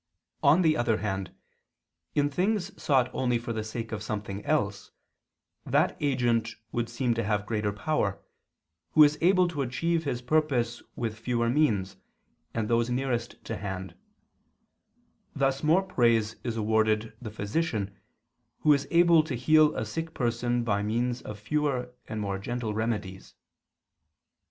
On the other hand, in things sought only for the sake of something else, that agent would seem to have greater power, who is able to achieve his purpose with fewer means and those nearest to hand: thus more praise is awarded the physician who is able to heal a sick person by means of fewer and more gentle remedies.